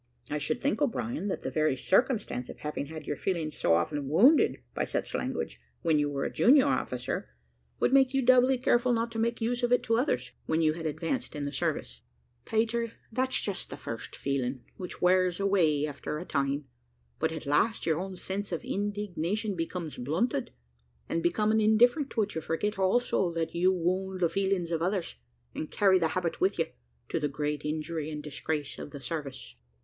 "I should think, O'Brien, that the very circumstance of having had your feelings so often wounded by such language when you were a junior officer, would make you doubly careful not to make use of it to others, when you had advanced in the service." "Peter, that's just the first feeling, which wears away after a time; but at last, your own sense of indignation becomes blunted, and becoming indifferent to it, you forget also that you wound the feelings of others, and carry the habit with you, to the great injury and disgrace of the service.